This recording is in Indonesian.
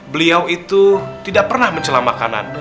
beliau itu tidak pernah mencela makanan